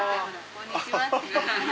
こんにちは。